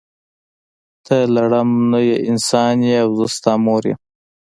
ته لړم نه یی انسان یی او زه ستا مور یم.